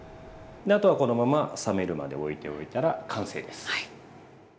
あとはこのまま冷めるまで置いておいたら完成です。